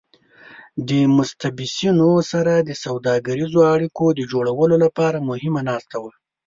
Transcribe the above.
د متشبثینو سره د سوداګریزو اړیکو د جوړولو لپاره مهمه ناسته وه.